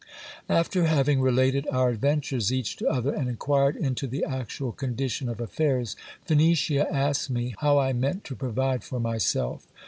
After having related our adventures each to other, and inquired into the actual condition of affairs, Phenicia asked me how I meant to provide for myself.